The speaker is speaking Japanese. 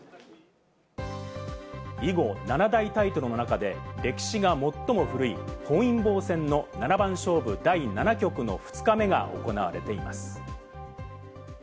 囲碁七大タイトルの中で歴史が最も古い本因坊戦の七番勝負第７局の２日目が行われています。